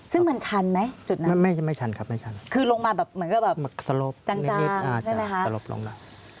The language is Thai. ซึ่งมันชันไหมจุดนั้นคือลงมาแบบจางได้ไหมคะ